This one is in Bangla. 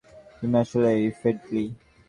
তুমি আসলেই ফ্রেন্ডলি।